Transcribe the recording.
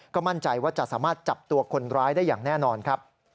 ก็มั่นใจว่าจะสามารถจับตัวคนร้ายได้อย่างแน่นอนครับ